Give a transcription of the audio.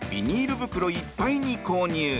袋いっぱいに購入。